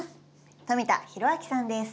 富田裕明さんです。